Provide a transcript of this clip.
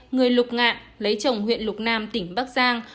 người lục ngạn lấy chồng huyện lục nam tỉnh bắc giang